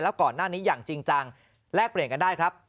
แล้วก่อนหน้านี้อย่างจริงจังแลกเปลี่ยนกันได้ครับ